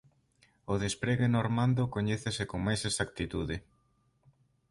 O despregue normando coñécese con máis exactitude.